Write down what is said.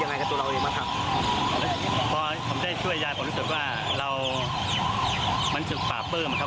ยายบอกว่าก็ไม่มีใครมาดูอะไรพวกนี้ครับ